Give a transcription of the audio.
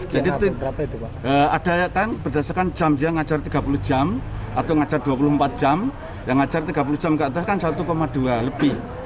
jadi berdasarkan jam dia mengajar tiga puluh jam atau mengajar dua puluh empat jam yang mengajar tiga puluh jam ke atas kan satu dua lebih